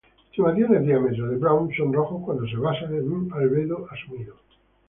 Estimaciones diámetro de Brown son rojos cuando se basan en un albedo asumido.